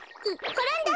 ころんだ！